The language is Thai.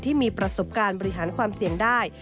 ที่มีประสบการณ์บริหารความเสี่ยงได้